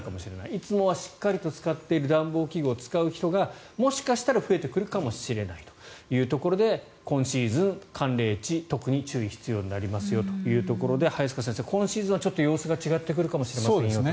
いつもはしっかりと使っている暖房器具を、使う人がもしかしたら増えてくるかもしれないというところで今シーズン、寒冷地特に注意が必要になりますよというところで早坂先生、今シーズンはちょっと様子が違ってくるかもしれませんよと。